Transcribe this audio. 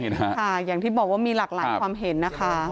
อย่างที่บอกว่ามีหลากหลายความเห็นนะคะ